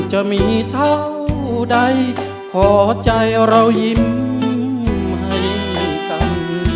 จะมีเท่าใดขอใจเรายิ้มให้กัน